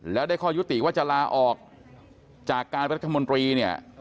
แล้วได้ข้อยุติว่าจะลาออกจากการรัฐมนตรีเนี่ย